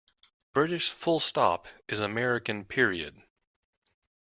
British full stop is American period.